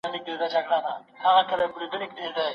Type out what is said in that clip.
له بدانو سره ښه په دې معنا ده